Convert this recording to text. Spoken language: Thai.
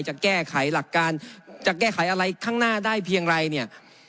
จะแก้ไขหลักการจะแก้ไขอะไรข้างหน้าได้เพียงไรเนี่ย